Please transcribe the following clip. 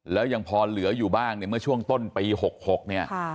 แล้วยังพอเหลืออยู่บ้างเนี่ยเมื่อช่วงต้นปี๖๖เนี่ย